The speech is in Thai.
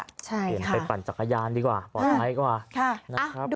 เปลี่ยนไปปั่นจักรยานดีกว่าพอท้ายดีกว่า